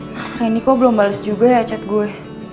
mas randy kok belum bales juga ya cat gue